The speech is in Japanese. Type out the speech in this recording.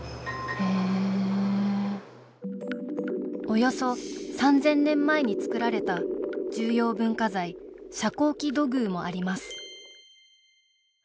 およそ３０００年前に作られた重要文化財「遮光器土偶」もあります